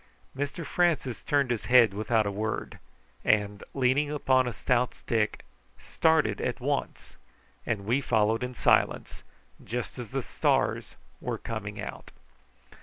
Mr Francis turned his head without a word, and, leaning upon a stout stick, started at once; and we followed in silence, just as the stars were coming out.